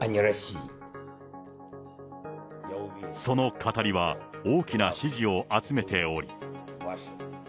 その語りは大きな支持を集めており。